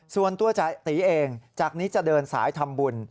ส่วนตัวตีเองจากนี้จะเดินสายทำบุญ